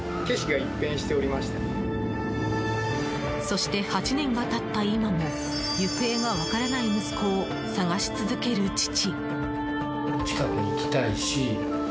そして、８年が経った今も行方が分からない息子を捜し続ける父。